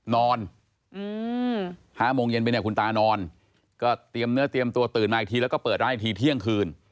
นอน๕โมงเย็นไปเนี่ยคุณตานอนก็เตรียมเนื้อเตรียมตัวตื่นมาอีกทีแล้วก็เปิดร้านอีกทีเที่ยงคืน